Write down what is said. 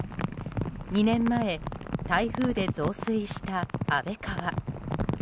２年前、台風で増水した安倍川。